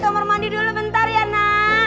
om kangen sama rena